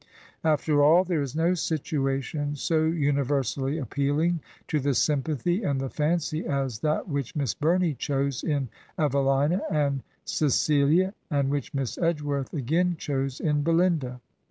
*' After all, there is no situation so uni versally appealing to the sympathy and the fancy as that which Miss Bumey chose in "Evelina" and "Ce cilia," and which Miss Edgeworth again chose in " Be linda."